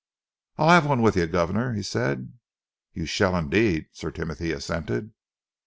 "I'll 'ave one with you, guvnor," he said. "You shall indeed," Sir Timothy assented.